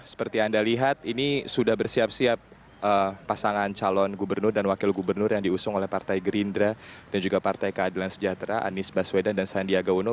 seperti anda lihat ini sudah bersiap siap pasangan calon gubernur dan wakil gubernur yang diusung oleh partai gerindra dan juga partai keadilan sejahtera anies baswedan dan sandiaga uno